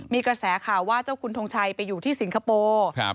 มีกระแสข่าวว่าเจ้าคุณทงชัยไปอยู่ที่สิงคโปร์